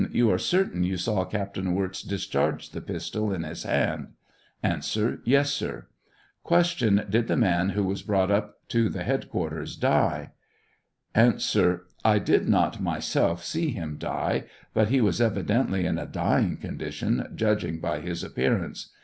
You are certain you saw Captain Wirz discharge the pistol iu his hand ?^ Yes sir 0. Did' the man who was brought up to the headquarters die? A I did not, myself, see him die; but he was evidently in a dying condition, judging by his appearance.